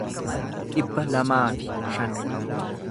dhibba lamaa fi shan